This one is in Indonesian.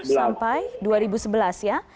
dua ribu sepuluh sampai dua ribu sebelas ya